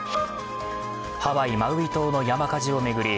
ハワイ・マウイ島の山火事を巡り